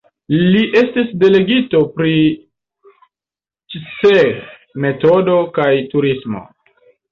Li estis delegito pri Ĉseh-metodo kaj turismo.